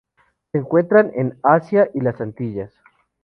Se encuentra en Asia y las Antillas.